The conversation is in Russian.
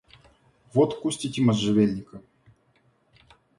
Вот кустики можжевельника.